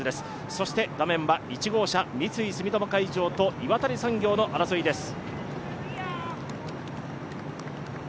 そして画面は１号車、三井住友海上と岩谷産業の争いです。